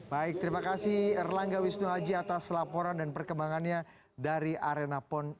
baik terima kasih erlangga wisnuhaji atas laporan dan perkembangannya dari arena pon